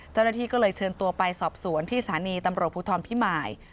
เจ้าหน้าที่ก็เลยเชิญตัวไปสอบสวนที่สถานีตำรวจภูทรพิมาย